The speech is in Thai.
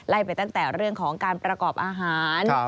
ไปตั้งแต่เรื่องของการประกอบอาหาร